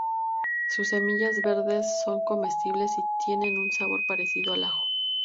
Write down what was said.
Sus semillas verdes son comestibles y tienen un sabor parecido al ajo.